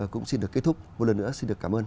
cũng xin được kết thúc một lần nữa xin được cảm ơn